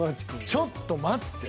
ちょっと待って。